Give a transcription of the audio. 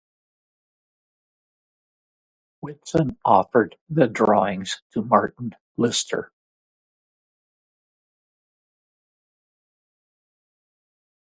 Witsen offered the drawings to Martin Lister.